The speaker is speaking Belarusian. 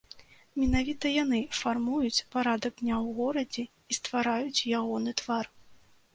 Менавіта яны фармуюць парадак дня ў горадзе і ствараюць ягоны твар.